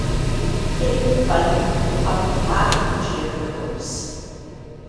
Kitten, Bunny, and Puppy laughed and cheered for Mouse.